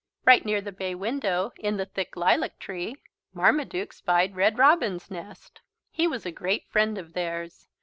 Right near the bay window, in the thick lilac tree, Marmaduke spied Red Robin's nest. He was a great friend of theirs.